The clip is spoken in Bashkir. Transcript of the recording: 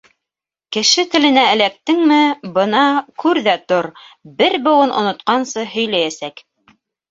Кеше теленә эләктеңме, бына күр ҙә тор, бер быуын онотҡансы һөйләйәсәк.